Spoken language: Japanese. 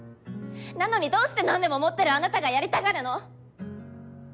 なのにどうして何でも持ってるあなたがやりたがるの？